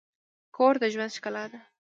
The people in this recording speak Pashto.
کور د ژوند ښکلا ده.